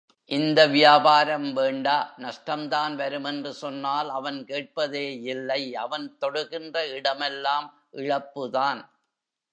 இந்த வியாபாரம் வேண்டா நஷ்டம்தான் வரும் என்று சொன்னால் அவன் கேட்பதே இல்லை அவன் தொடுகின்ற இடமெல்லாம் இழப்புதான்.